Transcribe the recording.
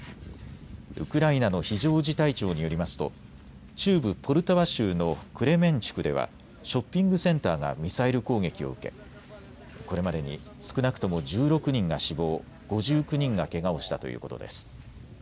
ウクライナの非常事態庁によりますと中部ポルタワ州のクレメンチュクではショッピングセンターがミサイル攻撃を受けこれまでに少なくとも１６人が死亡、５９人がけがをしたということです。